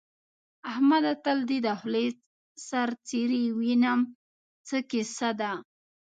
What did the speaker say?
احمده! تل دې د خولۍ سر څيرې وينم؛ څه کيسه ده؟